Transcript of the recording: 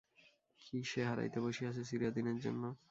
কী সে হারাইতে বসিয়াছে চিরদিনের জন্য?